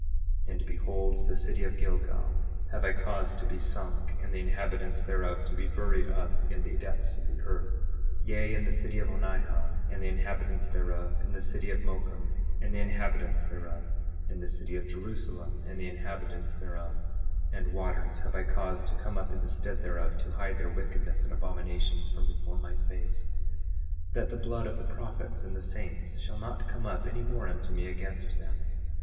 9:6 And behold, the city of Gilgal have I caused to be sunk, and the inhabitants thereof to be buried up in the depths of the earth; 9:7 Yea, and the city of Onihah and the inhabitants thereof, and the city of Mocum and the inhabitants thereof, and the city of Jerusalem and the inhabitants thereof; and waters have I caused to come up in the stead thereof, to hide their wickedness and abominations from before my face, that the blood of the prophets and the saints shall not come up any more unto me against them.